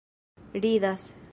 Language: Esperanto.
ridas